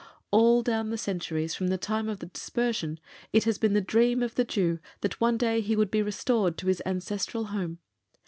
All down the centuries from the time of the Dispersion it has been the dream of the Jew that one day he would be restored to his ancestral home.